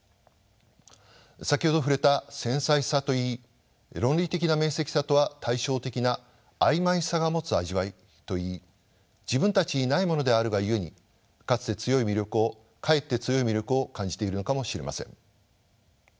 先ほど触れた繊細さといい論理的な明晰さとは対照的な曖昧さが持つ味わいといい自分たちにないものであるがゆえにかえって強い魅力を感じているのかもしれません。